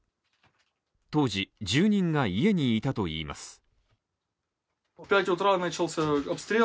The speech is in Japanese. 当時、住民が家にいたといいます。